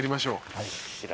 はい。